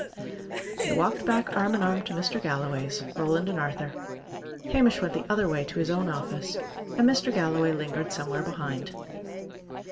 They walked back arm in arm to Mr. Galloway's, Roland and Arthur. Hamish went the other way, to his own office, and Mr. Galloway lingered somewhere behind.